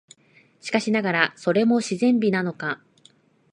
しかしながら、それも自然美なのか、